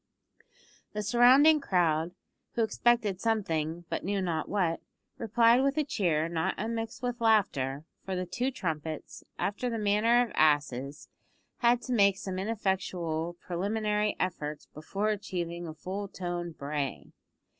The surrounding crowd, who expected something, but knew not what, replied with a cheer not unmixed with laughter, for the two trumpets, after the manner of asses, had to make some ineffectual preliminary efforts before achieving a full toned bray.